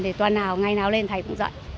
thì tuần nào ngày nào lên thầy cũng dạy